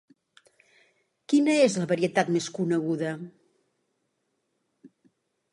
Quina és la varietat més coneguda?